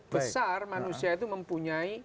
besar manusia itu mempunyai